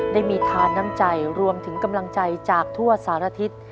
ได้มีทานน้ำใจรวมถึงกำลังใจจากทั่วสารทิศ